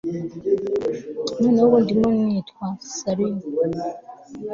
noneho ubu ndimo nitwa slut